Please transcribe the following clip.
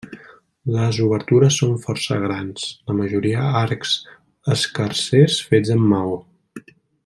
Les obertures són força grans, la majoria arcs escarsers fets amb maó.